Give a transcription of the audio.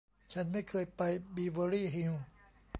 ฉันไม่เคยไปบีเวอร์ลี่ฮิลส์